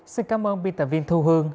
xin cảm ơn biên tập viên thu hương